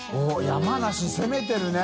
山梨攻めてるね。